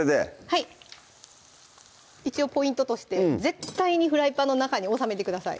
はい一応ポイントとして絶対にフライパンの中に収めてください